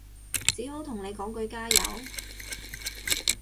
只好同你講句加油